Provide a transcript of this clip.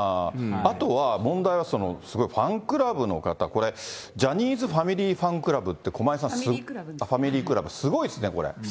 あとは問題は、すごいファンクラブの方、ジャニーズファミリーファンクラブって、駒井さん、これ、すごいですね、これ。